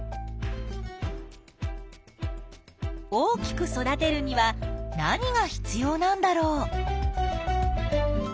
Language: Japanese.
大きく育てるには何が必要なんだろう？